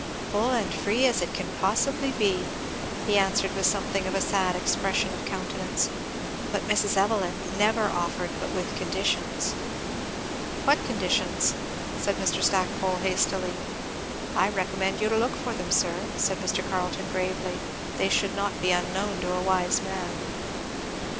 "Full and free as it can possibly be," he answered with something of a sad expression of countenance; "but, Mrs. Evelyn, never offered but with conditions." "What conditions?" said Mr. Stackpole hastily. "I recommend you to look for them, sir," answered Mr. Carleton, gravely; "they should not be unknown to a wise man."